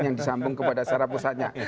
yang disambung kepada secara pusatnya